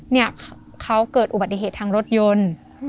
เนี่ยเขาเกิดอุบัติเหตุทางรถยนต์